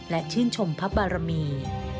และชื่นชมพระบารมี